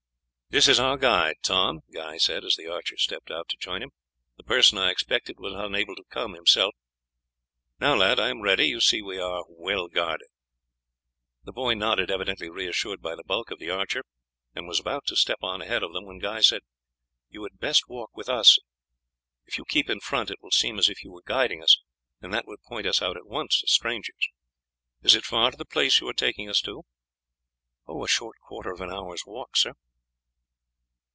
"This is our guide, Tom," Guy said, as the archer stepped out to join him; "the person I expected was unable to come himself. Now, lad, I am ready; you see we are well guarded." The boy nodded, evidently reassured by the bulk of the archer, and was about to step on ahead of them, when Guy said, "You had best walk with us. If you keep in front, it will seem as if you were guiding us, and that would point us out at once as strangers. Is it far to the place you are taking us to?" "A short quarter of an hour's walk, sir."